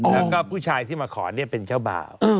แล้วก็ผู้ชายที่มาขอเป็นเจ้าบ่าว